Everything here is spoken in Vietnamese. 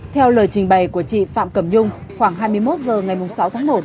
theo lời trình bày của chị phạm cẩm nhung khoảng hai mươi một h ngày sáu tháng một